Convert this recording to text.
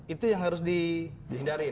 itu yang harus dihindari